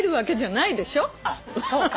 あっそうか。